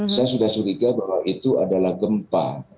saya sudah curiga bahwa itu adalah gempa